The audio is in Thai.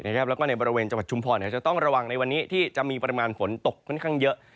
แล้วก็ในบริเวณจังหวัดชุมพรจะต้องระวังในวันนี้ที่จะมีปริมาณฝนตกค่อนข้างเยอะ